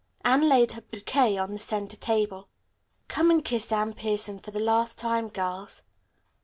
Anne laid her bouquet on the centre table. "Come and kiss Anne Pierson for the last time, girls."